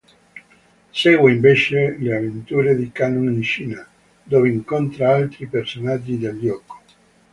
Segue, invece, le avventure di Kan'u in Cina, dove incontra altri personaggi del gioco.